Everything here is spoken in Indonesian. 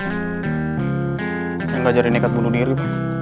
saya gak jadi nekat bunuh diri